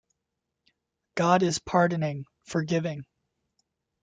God is Pardoning, Forgiving.